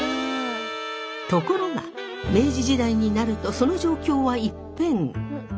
ところが明治時代になるとその状況は一変。